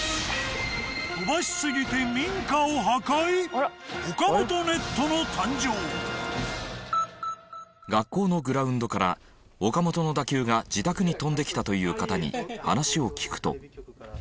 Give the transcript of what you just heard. そんな岡本の学校のグラウンドから岡本の打球が自宅に飛んできたという方に話を聞くと。